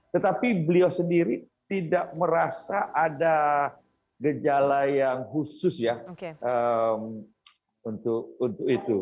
tetapi beliau sendiri tidak merasa ada gejala yang khusus ya untuk itu